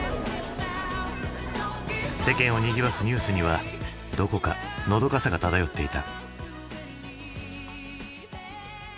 世間をにぎわすニュースにはどこかのどかさが漂っていた。